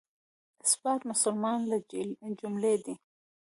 اثبات مسلمات له جملې دی.